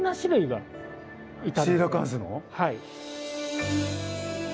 はい。